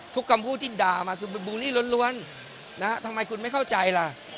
คำพูดที่ด่ามาคือบูลลี่ล้วนทำไมคุณไม่เข้าใจล่ะ